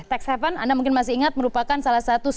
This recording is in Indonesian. tax haven anda mungkin masih ingat merupakan salah satu